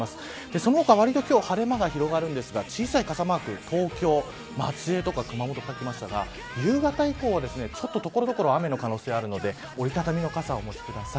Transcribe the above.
その他、わりと今日、晴れ間が広がるんですが小さい傘マーク東京、松江とか熊本書きましたが夕方以降は所々雨の可能性があるので折り畳みの傘をお持ちください。